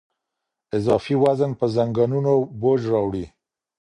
اضافي وزن په زنګونونو بوج راوړي.